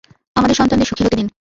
আমাদের সন্তানদের সুখী হতে দিন।